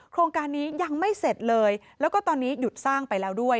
โครงการนี้ยังไม่เสร็จเลยแล้วก็ตอนนี้หยุดสร้างไปแล้วด้วย